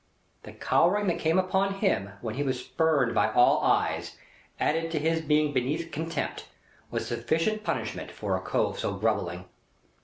The cowering that come upon him when he was spurned by all eyes, added to his being beneath contempt, was sufficient punishment for a cove so grovelling.